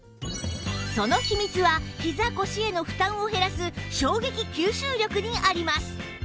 その秘密はひざ・腰への負担を減らす衝撃吸収力にあります